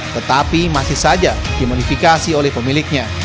tetapi masih saja dimodifikasi oleh pemiliknya